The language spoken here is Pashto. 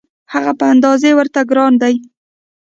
هغه په اندازه ورته ګران دی.